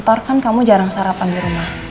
kalau kamu di kantor kan kamu jarang sarapan di rumah